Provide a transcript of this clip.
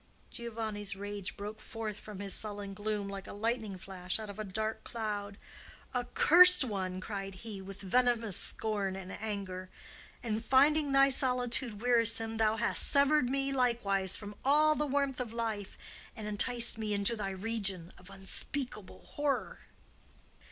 Giovanni's rage broke forth from his sullen gloom like a lightning flash out of a dark cloud. "Accursed one!" cried he, with venomous scorn and anger. "And, finding thy solitude wearisome, thou hast severed me likewise from all the warmth of life and enticed me into thy region of unspeakable horror!"